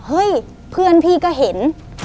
เฮ้ยเพื่อนพี่ก็เห็น